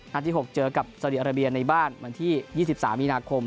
ที่๖เจอกับสาวดีอาราเบียในบ้านวันที่๒๓มีนาคม